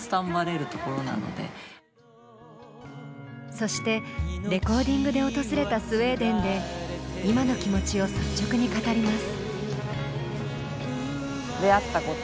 そしてレコーディングで訪れたスウェーデンで今の気持ちを率直に語ります。